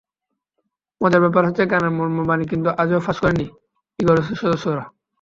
মজার ব্যাপার হচ্ছে, গানের মর্মবাণী কিন্তু আজও ফাঁস করেননি ইগলসের সদস্যরা।